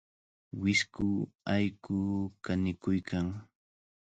Wisku allqu kanikuykan.